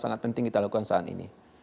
sangat penting kita lakukan saat ini